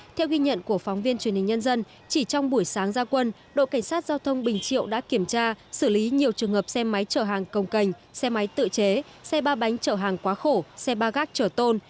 theo ghi nhận của phóng viên truyền hình nhân dân chỉ trong buổi sáng gia quân đội cảnh sát giao thông bình triệu đã kiểm tra xử lý nhiều trường hợp xe máy chở hàng công cành xe máy tự chế xe ba bánh chở hàng quá khổ xe ba gác chở tôn